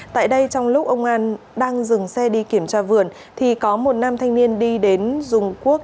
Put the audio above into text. tại đây trong lúc ông an đang dừng xe đi kiểm tra vườn thì có một nam thanh niên đi đến dùng quốc